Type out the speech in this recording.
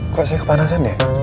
kok aslinya kepanasan ya